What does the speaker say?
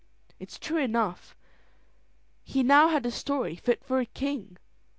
It's true enough he now had a story fit for a king.